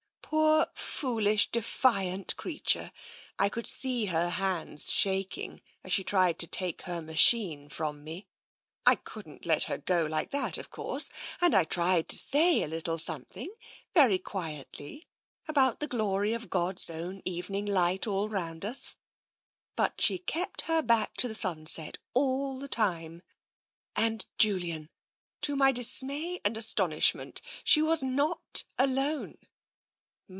Poor foolish, defiant creature! I could see her hands shaking, as she tried to take her machine from me. I couldn't let her go like that, of course, and I tried to say a little something, very quietly, about the glory of God's own evening light all round us. But she kept her back to the sunset all the time. " And, Julian, to my dismay and astonishment, she was not alone.